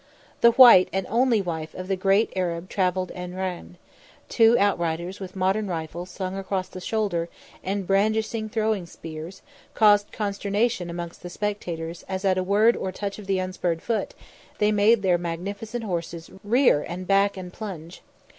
The white and only wife of the great Arab travelled en reine; two outriders with modern rifles slung across the shoulder and brandishing throwing spears, caused consternation amongst the spectators as at a word or touch of the unspurred foot they made their magnificent horses rear and back and plunge.